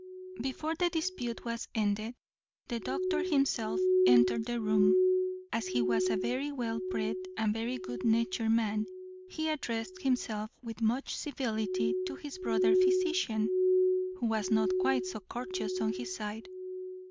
Before the dispute was ended, the doctor himself entered the room. As he was a very well bred and very good natured man, he addressed himself with much civility to his brother physician, who was not quite so courteous on his side.